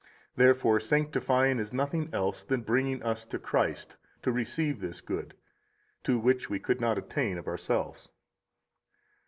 39 Therefore sanctifying is nothing else than bringing us to Christ to receive this good, to which we could not attain of ourselves.